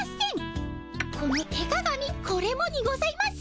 この手鏡これもにございます。